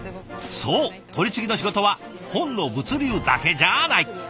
そう取り次ぎの仕事は本の物流だけじゃない！